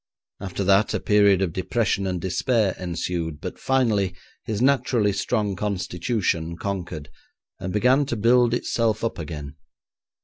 After that a period of depression and despair ensued, but finally his naturally strong constitution conquered, and began to build itself up again.